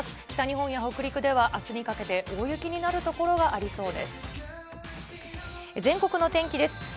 北日本や北陸ではあすにかけて、大雪になる所がありそうです。